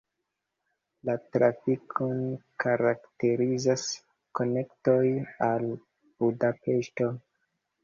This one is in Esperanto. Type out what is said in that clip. La trafikon karakterizas konektoj al Budapeŝto.